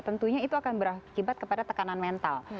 tentunya itu akan berakibat kepada tekanan mental